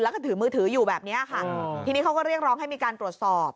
แล้วก็ถือมือถืออยู่แบบนี้ค่ะทีนี้เขาก็เรียกร้องให้มีการตรวจสอบ